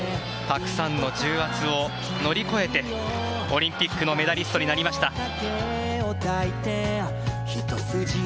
たくさんの重圧を乗り越えてオリンピックのメダリストになりました。